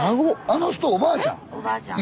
あの人おばあちゃん？